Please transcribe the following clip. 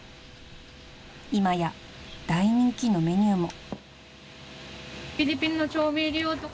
［今や大人気のメニューも］